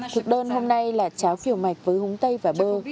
thực đơn hôm nay là cháo phiều mạch với húng tây và bơ